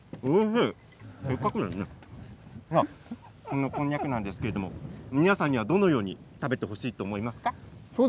このこんにゃくなんですけど皆さんにはどのように食べてほしいと思いますか？